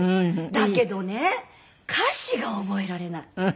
だけどね歌詞が覚えられない。